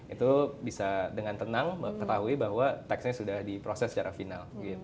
itu bisa dengan tenang ketahui bahwa teksnya sudah diproses secara final